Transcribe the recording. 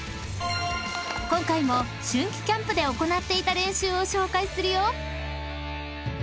［今回も春季キャンプで行っていた練習を紹介するよ］